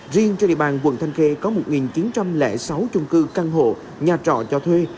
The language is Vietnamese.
riêng trên địa bàn quận thanh kê có một chín trăm linh sáu chung cư căn hộ nhà trọ cho thuê